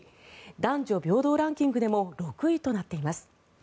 男女平等ランキングでも６位となっています。